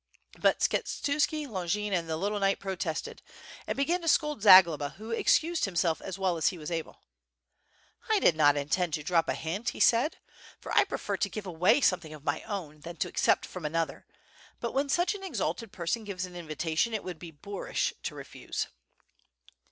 But Skshetuski, Longin and the little knight protested, and began to scold Zagloba, who excused himself as well as he was able. "I did not intend to drop a hint,'* he said, "for I prefer to ^ve away something of my own, than to accept from another, but when such an exalted person gives an invitation it would be boorish to refuse.